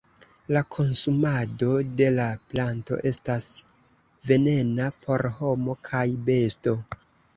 La konsumado de la planto estas venena por homo kaj besto.